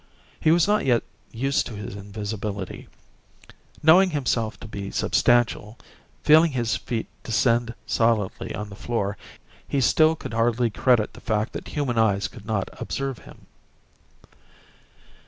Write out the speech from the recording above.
He was not yet used to his invisibility; knowing himself to be substantial, feeling his feet descend solidly on the floor, he still could hardly credit the fact that human eyes could not observe him.